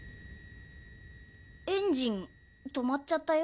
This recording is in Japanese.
エンジンとまっちゃったよ。